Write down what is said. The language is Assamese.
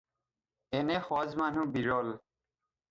এনে সজ মানুহ বিৰল